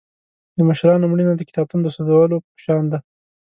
د مشرانو مړینه د کتابتون د سوځولو په شان ده.